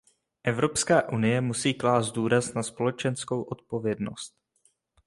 Evropská unie musí klást důraz na společenskou odpovědnost.